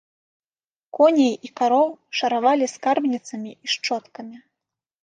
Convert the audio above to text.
Коней і кароў шаравалі скрабніцамі і шчоткамі.